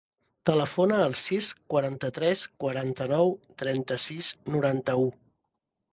Telefona al sis, quaranta-tres, quaranta-nou, trenta-sis, noranta-u.